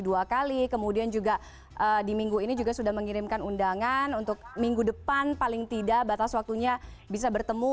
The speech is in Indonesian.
dua kali kemudian juga di minggu ini juga sudah mengirimkan undangan untuk minggu depan paling tidak batas waktunya bisa bertemu